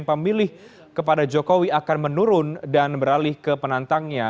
pemilih kepada jokowi akan menurun dan beralih ke penantangnya